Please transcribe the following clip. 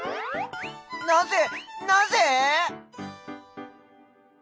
なぜなぜ！？